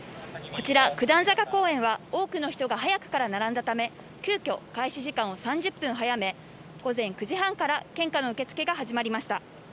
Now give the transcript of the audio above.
こちら九段坂公園は多くの人が早くから並んだため、急きょ開始時間を３０分早め、午前９時半から献花の受け付けが始まりました。